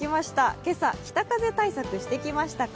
今朝、北風対策してきましたか？